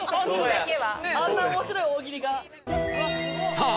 さあ